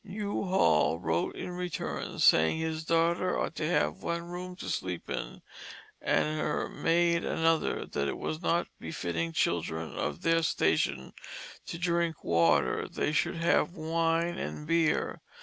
Hugh Hall wrote in return, saying his daughter ought to have one room to sleep in, and her maid another, that it was not befitting children of their station to drink water, they should have wine and beer.